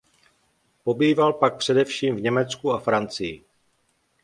Pobýval pak především v Německu a Francii.